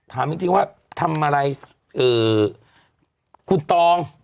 ถามจริงว่าทำอะไรคุณตอง